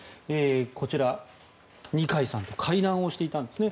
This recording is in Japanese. こちら、二階さんと会談をしていたんですね。